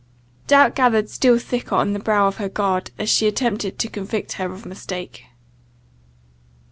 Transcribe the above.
Doubt gathered still thicker on the brow of her guard, as she attempted to convict her of mistake.